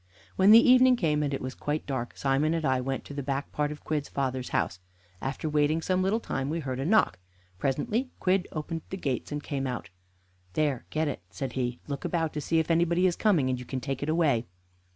When the evening came and it was quite dark, Simon and I went to the back part of Quidd's father's house. After waiting some little time we heard a knock. Presently Quidd opened the gates and came out. "There, get it," said he. "Look about to see if anybody is coming, and you can take it away."